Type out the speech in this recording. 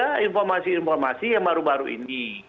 muncul juga informasi informasi yang baru baru ini